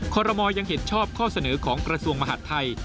คอรมอลยังเห็นชอบข้อเสนอของกระทรวงมหาดไทย